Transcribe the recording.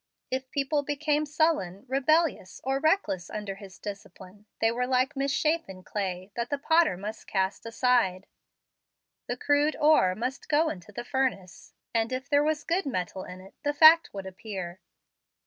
If people became sullen, rebellious, or reckless under His discipline, they were like misshappen clay, that the potter must cast aside. The crude ore must go into the furnace, and if there was good metal in it the fact would appear.